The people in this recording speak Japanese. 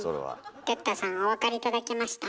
哲太さんお分かり頂けました？